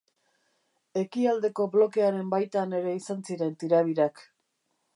Ekialdeko Blokearen baitan ere izan ziren tirabirak.